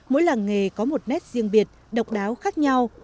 mỗi làng nghề có một nét riêng biệt độc đáo khác nhau